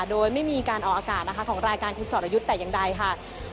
โดยไม่มีการออกอากาศนะคะของรายการคุณสอรยุทธ์แต่อย่างใดค่ะ